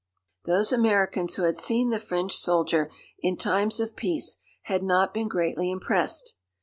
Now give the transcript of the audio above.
Those Americans who had seen the French soldier in times of peace had not been greatly impressed.